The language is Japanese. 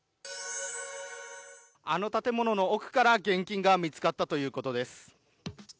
あの建物の奥から現金が見つかったということです。